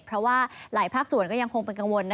เพราะว่าหลายภาคส่วนก็ยังคงเป็นกังวล